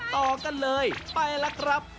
ต่อกันเลยไปแล้วครับ